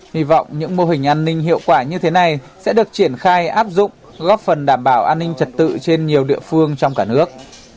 hy vọng những mô hình an ninh hiệu quả như thế này sẽ được triển khai áp dụng góp phần đảm bảo an ninh trật tự trên nhiều địa phương trong cả nước